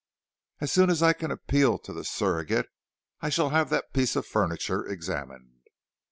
As soon as I can appeal to the Surrogate I shall have that piece of furniture examined."